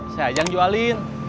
saya aja yang jualin